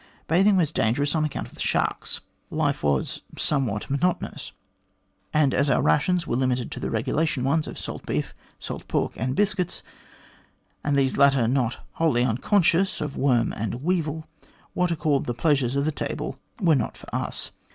Bathing was dangerous on account of the sharks. Life was somewhat monotonous, and as our rations were limited to the regulation ones of salt beef, salt pork, and biscuits, and these latter not wholly unconscious of worm and weevil, what are called * the pleasures of the table,' were not for us.